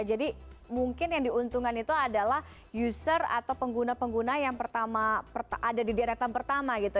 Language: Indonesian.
jadi mungkin yang diuntungkan itu adalah user atau pengguna pengguna yang pertama ada di direktan pertama gitu